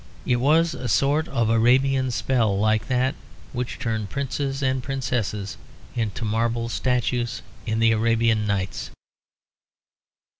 It was a sort of Arabian spell, like that which turned princes and princesses into marble statues in the Arabian Nights.